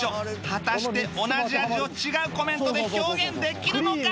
果たして同じ味を違うコメントで表現できるのか？